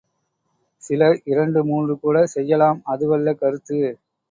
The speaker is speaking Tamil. சிலர் இரண்டு, மூன்று கூடச் செய்யலாம், அதுவல்ல கருத்து!